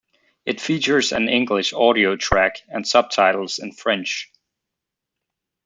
It features an English audio track and subtitles in French.